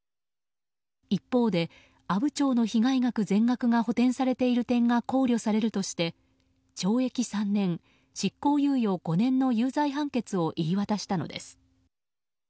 一方で、阿武町の被害額全額が補填されている点が考慮されるとして懲役３年執行猶予５年の有罪判決を言い渡したのです。